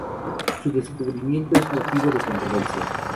Su descubrimiento es motivo de controversia.